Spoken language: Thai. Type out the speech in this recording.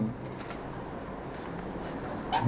ให้ปรากฏต่อสื่ออีกครั้งหนึ่ง